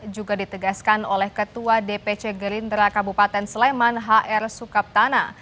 juga ditegaskan oleh ketua dpc gerindra kabupaten sleman hr sukaptana